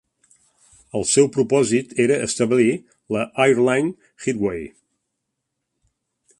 El seu propòsit era establir la "Airline Highway".